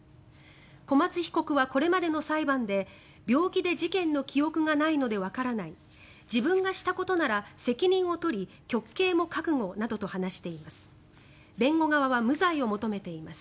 小松被告は、これまでの裁判で病気で事件の記憶がないのでわからない自分がしたことなら責任を取り極刑も覚悟などと話しています。